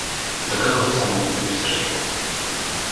Да как глаза могут быть без зрачков?